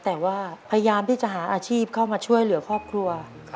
แต่ว่าพยายามที่จะหาอาชีพเข้ามาช่วยเหลือครอบครัว